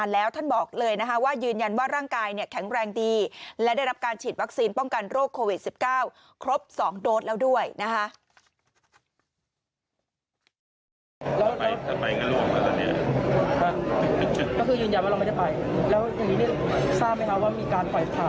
และได้รับการฉีดวัคซีนป้องกันโรคโควิด๑๙ครบ๒โดดแล้วด้วยนะคะ